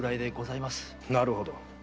なるほど。